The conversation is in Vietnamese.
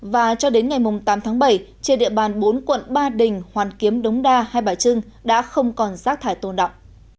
và cho đến ngày tám tháng bảy trên địa bàn bốn quận ba đình hoàn kiếm đống đa hai bài trưng đã không còn rác thải tồn đọng